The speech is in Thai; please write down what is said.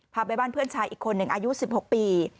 พาไปบ้านเพื่อนชายอีกคนหนึ่งอายุ๑๖ปี